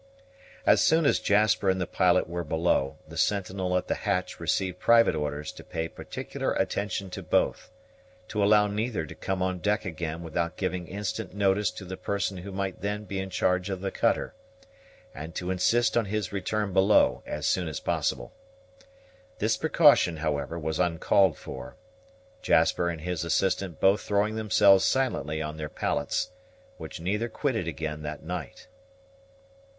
As soon as Jasper and the pilot were below, the sentinel at the hatch received private orders to pay particular attention to both; to allow neither to come on deck again without giving instant notice to the person who might then be in charge of the cutter, and to insist on his return below as soon as possible. This precaution, however, was uncalled for; Jasper and his assistant both throwing themselves silently on their pallets, which neither quitted again that night.